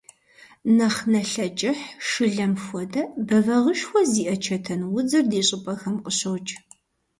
Нэхъ налъэ кӀыхь, шылэм хуэдэ, бэвагъышхуэ зиӀэ чэтэнудзыр ди щӀыпӀэхэм къыщокӀ.